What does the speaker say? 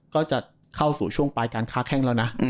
ก็จะเข้าสู่ช่วงปลายการค้าแข้งแล้วนะ